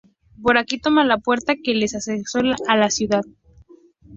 Por aquí toman la puerta que les da acceso a la ciudad.